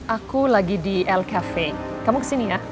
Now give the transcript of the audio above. aku lagi di el cafe kamu kesini ya